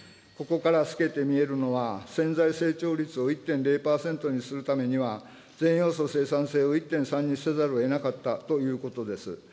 ここから透けて見えるのは、潜在成長率を１．０％にするためには、全要素生産性を１．３にせざるをえなかったということです。